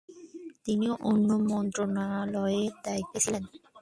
তিনি অন্য মন্ত্রণালয়ের দায়িত্বে ছিলেন।